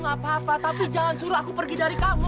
gak apa apa tapi jangan suruh aku pergi dari kamu